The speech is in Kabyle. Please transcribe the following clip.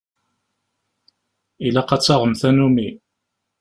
Ilaq ad taɣem tanumi.